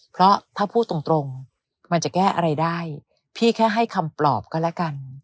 เพราะถ้าพูดตรงมันจะแก้อะไรได้พี่แค่ให้คำปลอบก็แล้วกัน